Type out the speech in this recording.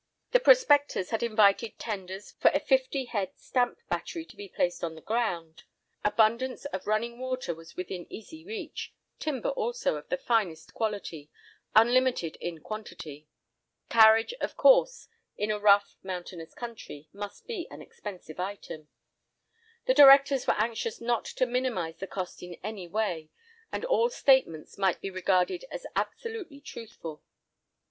The prospectors had invited tenders for a fifty head stamp battery to be placed on the ground. Abundance of running water was within easy reach; timber also, of the finest quality, unlimited in quantity. Carriage, of course, in a rough, mountainous country, must be an expensive item. The directors were anxious not to minimise the cost in any way, and all statements might be regarded as absolutely truthful.